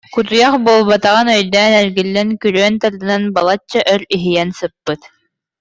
Кутуйах буолбатаҕын өйдөөн, эргиллэн көрүөн тардынан, балачча өр иһийэн сыппыт